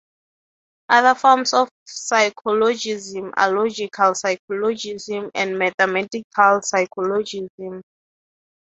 Other forms of psychologism are logical psychologism and mathematical psychologism.